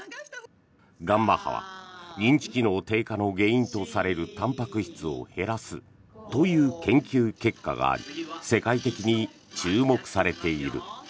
ガンマ波は認知機能低下の原因とされるたんぱく質を減らすという研究結果があり世界的に注目されている。